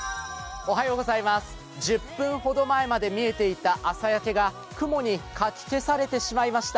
１０分ほど前まで見えていた朝焼けが雲にかき消されてしまいました。